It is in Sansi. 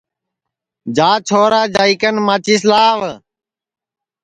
چھورا جا جائی کن ماچِس لاو